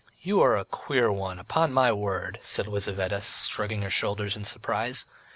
"You are a queer one, upon my word," said Lizaveta, shrugging her shoulders in surprise.